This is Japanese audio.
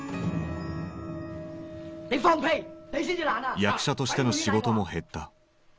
役者としての仕事も減った。